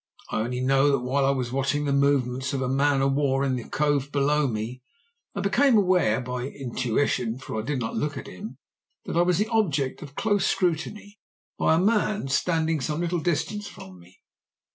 I only know that while I was watching the movements of a man o' war in the cove below me I became aware, by intuition for I did not look at him that I was the object of close scrutiny by a man standing some little distance from me.